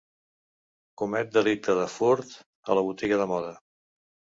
Comet delicte de furt a la botiga de moda.